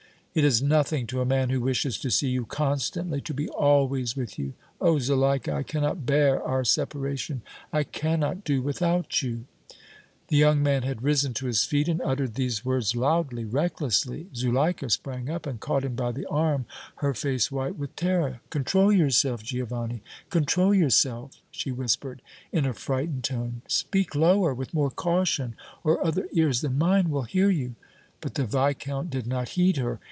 "It is nothing to a man who wishes to see you constantly, to be always with you. Oh! Zuleika, I cannot bear our separation, I cannot do without you!" The young man had risen to his feet and uttered these words loudly, recklessly. Zuleika sprang up and caught him by the arm, her face white with terror. "Control yourself, Giovanni, control yourself!" she whispered, in a frightened tone. "Speak lower, with more caution, or other ears than mine will hear you!" But the Viscount did not heed her.